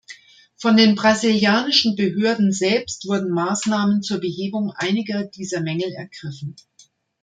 Von den brasilianischen Behörden selbst wurden Maßnahmen zur Behebung einiger dieser Mängel ergriffen.